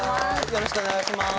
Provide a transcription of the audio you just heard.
よろしくお願いします。